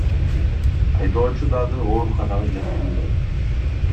Айдоочу дагы ооруканага жеткирилген.